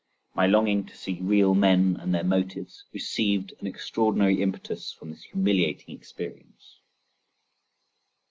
My longing to see real men and their motives, received an extraordinary impetus from this humiliating experience.